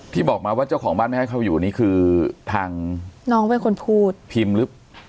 บอกมาว่าเจ้าของบ้านไม่ให้เข้าอยู่นี่คือทางน้องเป็นคนพูดพิมพ์หรือเปล่า